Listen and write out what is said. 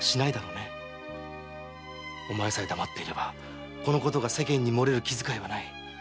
お前さえ黙っていればこのことが世間に漏れる気遣いはない。